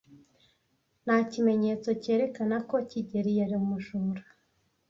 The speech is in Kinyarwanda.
Nta kimenyetso cyerekana ko kigeli yari umujura.